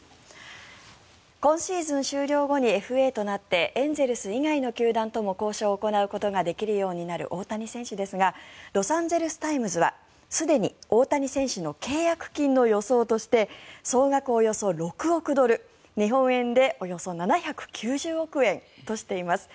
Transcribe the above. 今シーズン終了後にＦＡとなってエンゼルス以外の球団とも交渉を行うことができるようになる大谷選手ですがロサンゼルス・タイムズはすでに大谷選手の契約金の予想として総額およそ６億ドル日本円でおよそ７９０億円としています。